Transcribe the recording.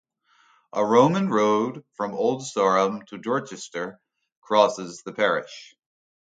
A Roman road from Old Sarum to Dorchester crosses the parish.